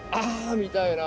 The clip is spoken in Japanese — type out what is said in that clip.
みたいな。